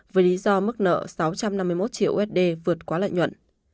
với lý do mức nợ sáu trăm năm mươi một triệu usd vượt quá lợi nhuận